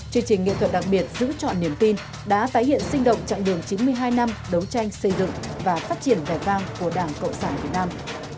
chương trình nghệ thuật đặc biệt giữ chọn niềm tin đã tái hiện sinh động chặng đường chín mươi hai năm đấu tranh xây dựng và phát triển vẻ vang của đảng cộng sản việt nam